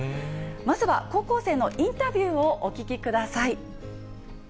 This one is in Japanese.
まずは高校生のインタビューをお聞きください。